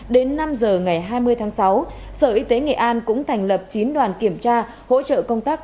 đến năm giờ ngày hai mươi tháng sáu sở y tế nghệ an cũng thành lập chín đoàn kiểm tra hỗ trợ công tác